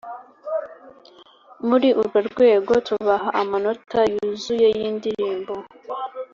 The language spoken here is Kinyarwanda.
muri urworwego tubaha amanota yuzuye y’indirimbo